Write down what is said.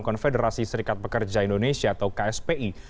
konfederasi serikat pekerja indonesia atau kspi